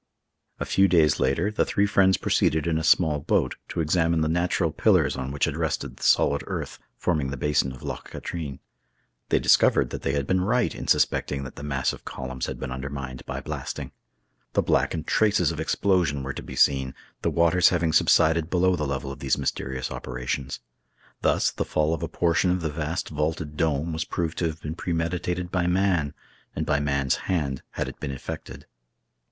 A few days later, the three friends proceeded in a small boat to examine the natural pillars on which had rested the solid earth forming the basin of Loch Katrine. They discovered that they had been right in suspecting that the massive columns had been undermined by blasting. The blackened traces of explosion were to be seen, the waters having subsided below the level of these mysterious operations Thus the fall of a portion of the vast vaulted dome was proved to have been premeditated by man, and by man's hand had it been effected.